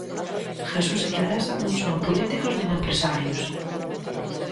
Jesús e Teresa non son políticos nin empresarios.